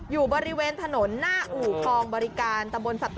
อยู่บริเวณถนนหน้าอู่ทองบริการตำบลสัตว